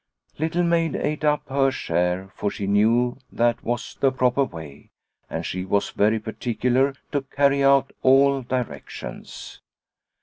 Little Maid ate up her share, for she knew that was the proper way, and she was very particular to carry out all directions.